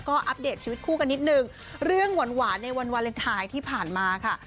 ก็อัปเดตชีวิตคู่กันนิดนึงเรื่องหวานในวันวาเลนไทยที่ผ่านมาค่ะ